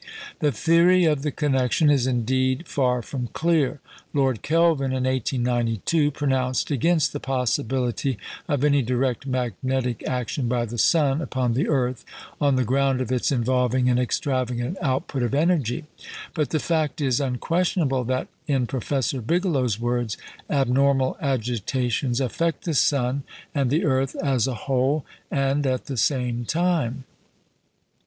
The theory of the connection is indeed far from clear. Lord Kelvin, in 1892, pronounced against the possibility of any direct magnetic action by the sun upon the earth, on the ground of its involving an extravagant output of energy; but the fact is unquestionable that in Professor Bigelow's words "abnormal agitations affect the sun and the earth as a whole and at the same time."